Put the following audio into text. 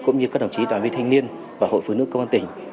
cũng như các đồng chí đoàn viên thanh niên và hội phụ nữ công an tỉnh